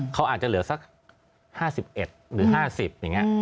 เขาอาจจะเหลือสัก๕๑หรือ๕๐อย่างนี้